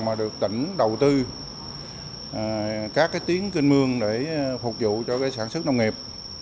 mà được tỉnh đầu tư các tiến kinh mương để phục vụ cho sản xuất nông nghiệp